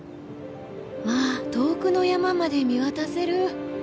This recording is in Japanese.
わあ遠くの山まで見渡せる。